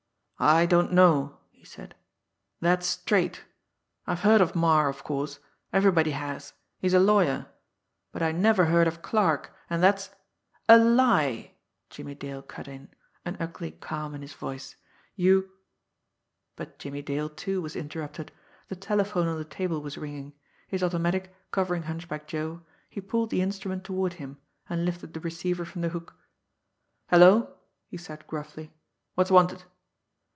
"I don't know," he said. "That's straight I've heard of Marre, of course, everybody has, he's a lawyer; but I never heard of Clarke, and that's " "A lie!" Jimmie Dale cut in, an ugly calm in his voice "You " But Jimmie Dale, too, was interrupted. The telephone on the table was ringing. His automatic covering Hunchback Joe, he pulled the instrument toward him, and lifted the receiver from the hook. "Hello!" he said gruffly. "What's wanted?"